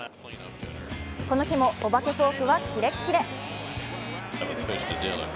この日もお化けフォークはキレッキレ。